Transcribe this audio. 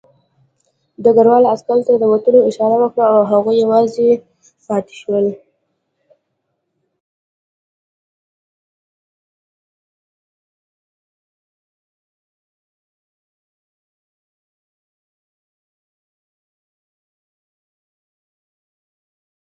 وېش د ځانګړتیاوو رامنځته کیدل دي.